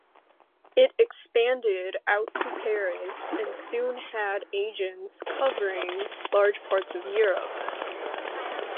It expanded out to Paris and soon had agents covering large parts of Europe.